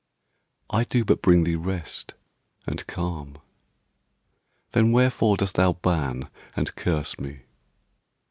I do but bring Thee rest and calm. Then wherefore dost thou ban And curse me?